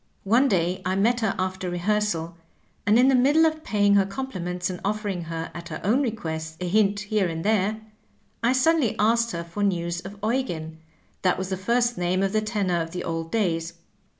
One day I met her after rehearsal, and in the middle of paying her compliments and oflEering her at her own request a hint here and there, I suddenly asked her for news of Eugen — ^that was the first name of the tenor of the old days.